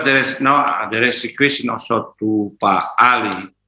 tentu saja ada pertanyaan lagi kepada pak ali